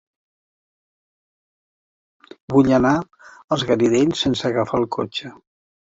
Vull anar als Garidells sense agafar el cotxe.